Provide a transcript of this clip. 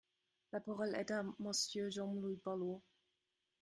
La parole est à Monsieur Jean-Louis Borloo.